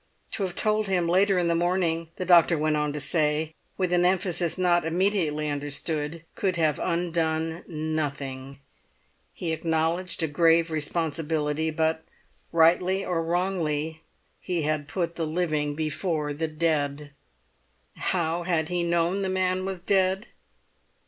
To have told him later in the morning, the doctor went on to say, with an emphasis not immediately understood, could have undone nothing. He acknowledged a grave responsibility, but rightly or wrongly he had put the living before the dead. How had he known the man was dead?